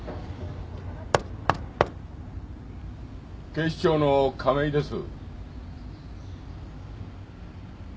警視庁の亀井です。